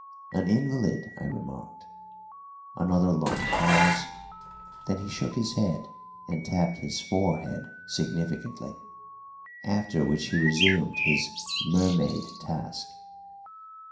"An invalid?" I remarked. Another long pause; then he shook his head and tapped his forehead significantly; after which he resumed his mermaid task.